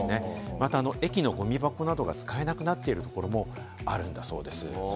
また駅のゴミ箱などが使えなくなっているところもあるんだそうです。